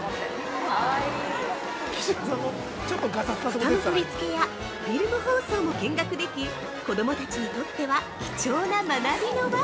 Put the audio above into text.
◆ふたの取りつけやフィルム包装も見学でき子供たちにとっては貴重な学びの場。